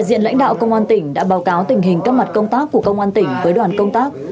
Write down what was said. diện lãnh đạo công an tỉnh đã báo cáo tình hình các mặt công tác của công an tỉnh với đoàn công tác